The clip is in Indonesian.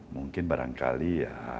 mungkin barangkali ya